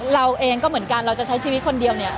เราเองก็เหมือนกันเราจะใช้ชีวิตคนเดียวเนี่ย